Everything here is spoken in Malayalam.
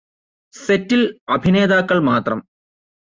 സെറ്റില് അഭിനേതാക്കള് മാത്രം